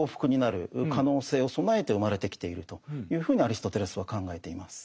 そうですね。というふうにアリストテレスは考えています。